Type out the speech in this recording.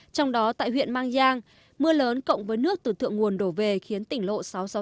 trong đó tại huyện mang giang mưa lớn cộng với nước từ thượng nguồn đổ về khiến tỉnh lộ sáu trăm sáu mươi sáu